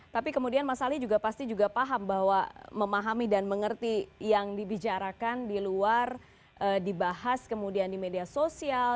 tapi kemudian mas ali juga pasti juga paham bahwa memahami dan mengerti yang dibicarakan di luar dibahas kemudian di media sosial